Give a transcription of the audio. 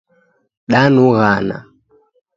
Danughana